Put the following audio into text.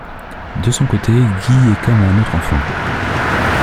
De son côté, Guy est comme un autre enfant.